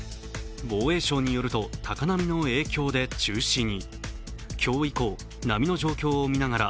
防衛省によると高波の影響で中止に。